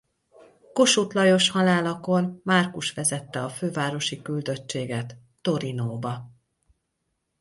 Kossuth Lajos halálakor Márkus vezette a fővárosi küldöttséget Torinóba.